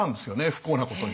不幸なことに。